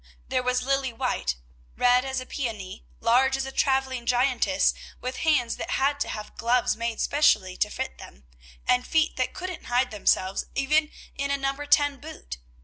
There was Lilly White, red as a peony, large as a travelling giantess, with hands that had to have gloves made specially to fit them, and feet that couldn't hide themselves even in a number ten boot.